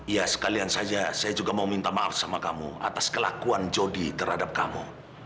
ya sekalian saja saya juga mau minta maaf sama kamu atas kelakuan jody terhadap kamu